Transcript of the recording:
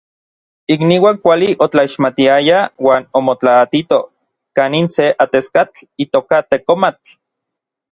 Ikniuan kuali otlaixmatiayaj uan omotlaatitoj kanin se ateskatl itoka Tekomatl.